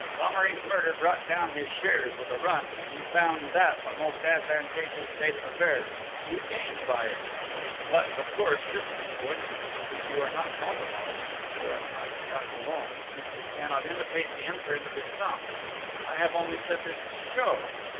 Thomery's murder brought down his shares with a run, and you found that a most advantageous state of affairs you gained by it!... But, of course, this is coincidence, since you are not Fantômas, since you are not Jacques Dollon, since you cannot imitate the imprint of his thumb!... I have only said this to show